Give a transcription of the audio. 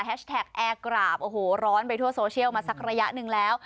แอร์กราบโอ้โหร้อนไปทั่วโซเชียลมาสักระยะหนึ่งแล้ว